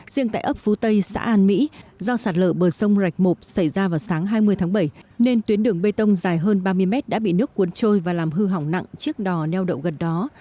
riêng tại ấp phú tây xã an mỹ do sạt lở bờ sông rạch mộp xảy ra vào sáng hai mươi tháng bảy nên tuyến đường bê tông dài hơn ba mươi mét đã bị nước cuốn trôi và làm hư hỏng nặng chiếc đò neo đậu gần đó